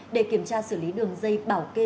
để kiểm tra xử lý đường dây bảo kê